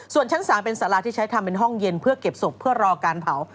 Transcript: ส่วนชั้น๓เป็นสาราที่ใช้ทำเป็นห้องเย็นเพื่อเก็บศพเพื่อรอการเผา